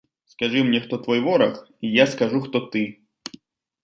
Скажы мне, хто твой вораг, і я скажу, хто ты.